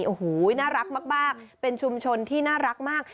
โอ้โหน่ารักมากเป็นชุมชนที่น่ารักมาก